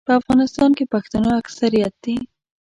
په افغانستان کې پښتانه اکثریت دي.